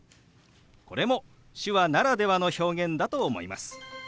これも手話ならではの表現だと思います。